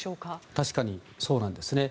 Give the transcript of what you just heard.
確かにそうなんですね。